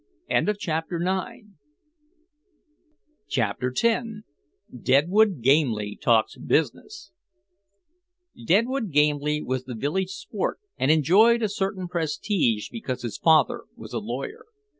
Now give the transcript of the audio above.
CHAPTER X DEADWOOD GAMELY TALKS BUSINESS Deadwood Gamely was the village sport and enjoyed a certain prestige because his father was a lawyer.